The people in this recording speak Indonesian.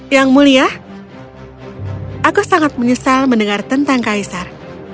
yang mulia aku sangat menyesal mendengar tentang kaisar